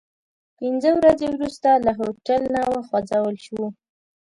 پنځه ورځې وروسته له هوټل نه وخوځول شوو.